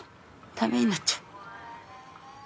駄目になっちゃう。